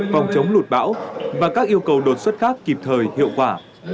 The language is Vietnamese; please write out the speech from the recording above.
phòng chống lụt bão và các yêu cầu đột xuất khác kịp thời hiệu quả